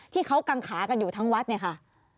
ที่เขากังขากันอยู่ทั้งวัดเนี่ยค่ะ